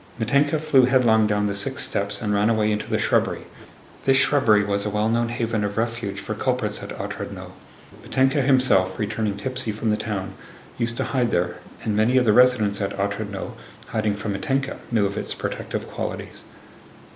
Mítenka flew headlong down the six steps and ran away into the shrubbery. (This shrubbery was a well known haven of refuge for culprits at Otrádnoe. Mítenka himself, returning tipsy from the town, used to hide there, and many of the residents at Otrádnoe, hiding from Mítenka, knew of its protective qualities.)